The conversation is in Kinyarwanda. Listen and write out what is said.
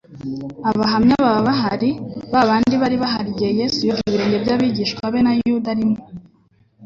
Abahamya baba bahari, ba bandi bari bahari igihe Yesu yozaga ibirenge by'abigishwa be na Yuda arimo.